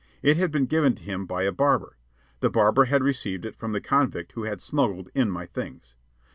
It had been given to him by a barber. The barber had received it from the convict who had smuggled in my things.